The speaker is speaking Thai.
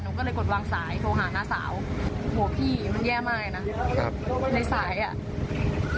หนูก็เลยกดวางสายโทรหาน้าสาวโหพี่มันแย่มากเลยนะในสายอ่ะ